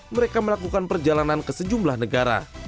mereka melakukan perjalanan ke sejumlah negara